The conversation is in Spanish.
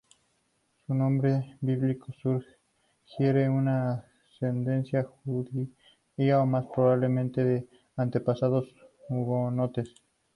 Su nombre bíblico sugiere una ascendencia judía o, más probablemente, de antepasados hugonotes.